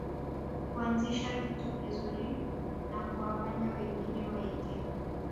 Kuanzisha kitu kizuri na kuwafanya wengine waige